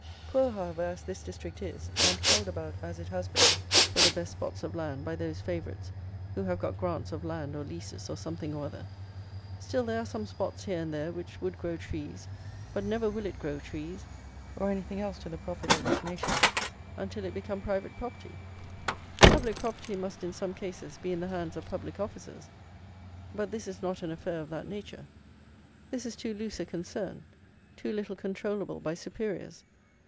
Poor, however, as this district is, and culled about as it has been for the best spots of land by those favourites who have got grants of land or leases or something or other, still there are some spots here and there which would grow trees; but never will it grow trees, or anything else to the profit of this nation, until it become private property. Public property must, in some cases, be in the hands of public officers; but this is not an affair of that nature. This is too loose a concern; too little controllable by superiors.